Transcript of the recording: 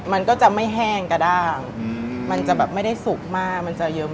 มันก็จะไม่แห้งกระด้างมันจะแบบไม่ได้สุกมากมันจะเยอะมาก